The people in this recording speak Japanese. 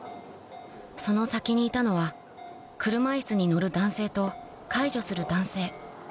その先にいたのは車いすに乗る男性と介助する男性